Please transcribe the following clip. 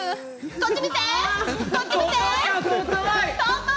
こっち見て！